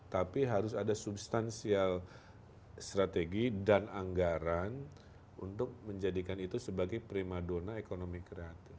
tapi harus ada substansial strategi dan anggaran untuk menjadikan itu sebagai prima dona ekonomi kreatif